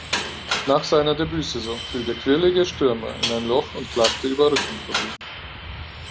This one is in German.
Nach seiner Debütsaison fiel der quirlige Stürmer in ein Loch und klagte über Rückenprobleme.